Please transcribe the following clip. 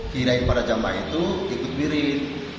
kirain para jemaah itu ikut wirid